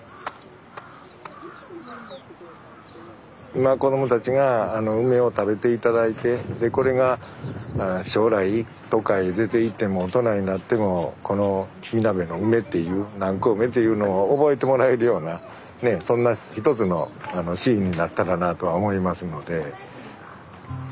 今子どもたちが梅を食べて頂いてでこれが将来どっかへ出ていっても大人になってもこのみなべの梅っていう南高梅っていうのを覚えてもらえるようなそんな一つのシーンになったらなあとは思いますので。